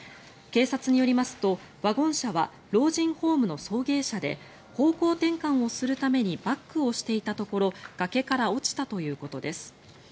警察によりますと、ワゴン車は老人ホームの送迎車で方向転換をするためにバックをしていたところ崖から落ちたということです。